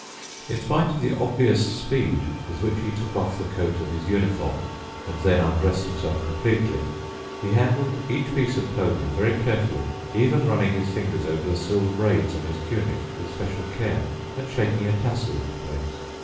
In spite of the obvious speed with which he took off the coat of his uniform and then undressed himself completely, he handled each piece of clothing very carefully, even running his fingers over the silver braids on his tunic with special care and shaking a tassel into place.